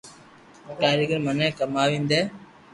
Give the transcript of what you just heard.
ڪريگر مني ڪماوين دي